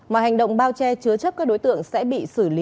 mọi hành động bao che chứa chấp các đối tượng sẽ bị xử lý